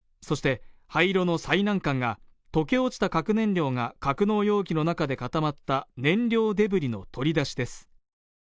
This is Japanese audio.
そして廃炉の最難関が溶け落ちた核燃料が格納容器の中で固まった燃料デブリの取り出しです